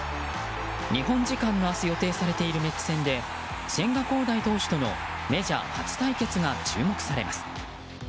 日本時間の明日予定されているメッツ戦で千賀滉大投手とのメジャー初対決が注目されます。